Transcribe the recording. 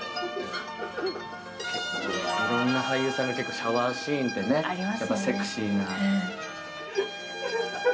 いろんな俳優さんがシャワーシーンってセクシーな。